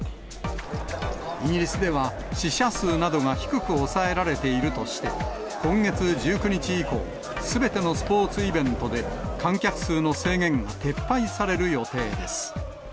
イギリスでは死者数などが低く抑えられているとして、今月１９日以降、すべてのスポーツイベントで観客数の制限が撤廃される予定です。